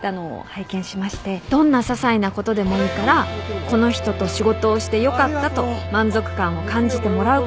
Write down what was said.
どんなささいなことでもいいからこの人と仕事をしてよかったと満足感を感じてもらうこと。